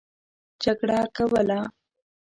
جګړه کوله.